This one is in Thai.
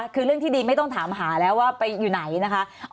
คือเรื่องที่ดีไม่ต้องถามหาแล้วว่าไปอยู่ไหนนะคะ